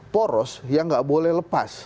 poros yang nggak boleh lepas